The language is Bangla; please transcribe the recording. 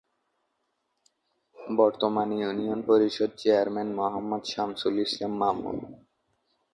বর্তমান ইউনিয়ন পরিষদ চেয়ারম্যান মোহাম্মদ শামসুল ইসলাম মামুন।